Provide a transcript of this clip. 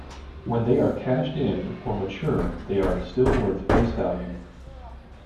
When they are cashed in or mature they are still worth face value.